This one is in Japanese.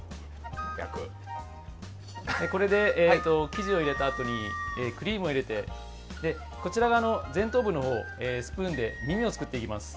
生地を入れたあとにクリームを入れてこちらが前頭部の方、スプーンで耳を作っていきます。